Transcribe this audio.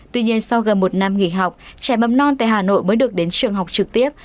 tuy nhiên sau gần một năm nghỉ học trẻ mầm non tại hà nội mới được đến trường học trực tiếp